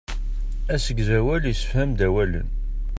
Asegzawal issefham-d awalen.